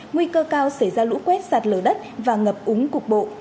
nguy cơ cao xảy ra lũ quét sạt lở đất và ngập úng cục bộ